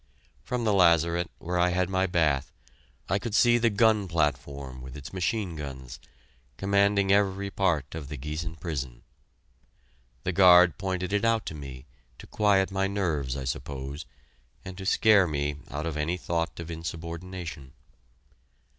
From the lazaret, where I had my bath, I could see the gun platform with its machine guns, commanding every part of the Giessen Prison. The guard pointed it out to me, to quiet my nerves, I suppose, and to scare me out of any thought of insubordination.